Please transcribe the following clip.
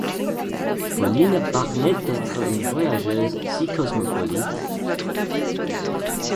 Paulina Barnett d’être une voyageuse si cosmopolite.